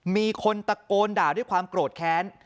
มีคนตะโกนด่าด้วยความโกรธแค้น